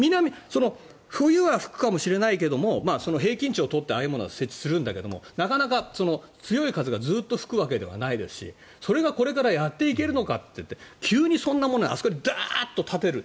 冬は吹くかもしれないけど平均値を取ってああいうものは設置するんだけどなかなか強い風がずっと吹くわけではないですしそれがこれからやっていけるのか急にそんなものをあそこにダッと立てる。